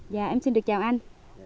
dạ em xin được chào anh